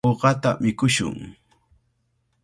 Uqata mikushun.